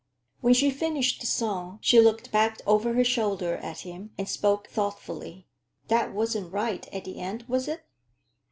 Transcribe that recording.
When she finished the song, she looked back over her shoulder at him and spoke thoughtfully. "That wasn't right, at the end, was it?"